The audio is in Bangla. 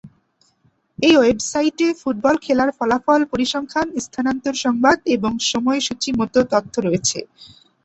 এই ওয়েবসাইটে ফুটবল খেলার ফলাফল, পরিসংখ্যান, স্থানান্তর সংবাদ এবং সময়সূচী মতো তথ্য রয়েছে।